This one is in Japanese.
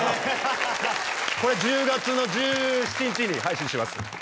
これ１０月の１７日に配信します